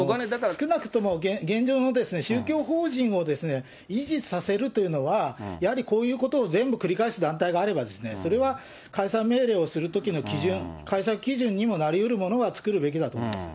少なくとも、現状の宗教法人を維持させるというのは、やはりこういうことを全部繰り返す団体があれば、それは解散命令をするときの基準、解散基準にもなりうるものは作るべきだと思います。